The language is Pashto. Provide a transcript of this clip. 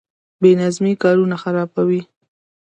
بې نظمي کارونه خرابوي